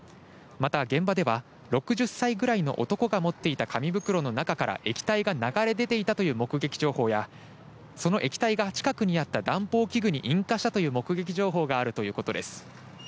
また現場では、６０歳ぐらいの男が持っていた紙袋の中から液体が流れ出ていたという目撃情報や、その液体が近くにあった暖房器具に引火したという目撃情報があるということです。